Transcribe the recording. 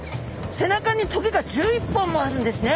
背中に棘が１１本もあるんですね。